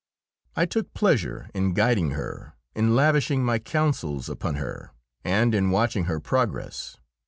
I took pleasure in guiding her, in lavishing my counsels upon her, and in watching her progress.